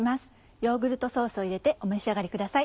ヨーグルトソースを入れてお召し上がりください。